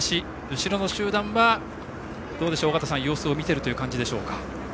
後ろの集団は、様子を見ているという感じでしょうか。